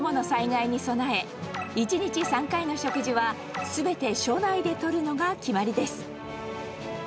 災害に備え、１日３回の食事は、すべて署内でとるのが決まりです。